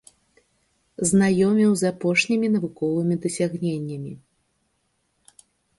Знаёміў з апошнімі навуковымі дасягненнямі.